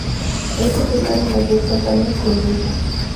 Es titular en las dos campañas que milita.